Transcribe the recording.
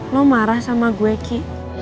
lo marah sama gue ki